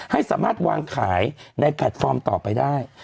ให้สามารถวางขายในแพลตฟอร์มต่อไปได้